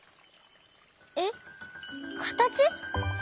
えっかたち？